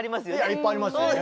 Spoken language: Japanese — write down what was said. いっぱいありますよね。